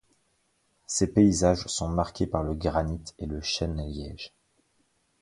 Ses paysages sont marqués par le granite et le chêne-liège.